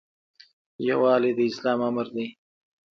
یووالی د اسلام امر دی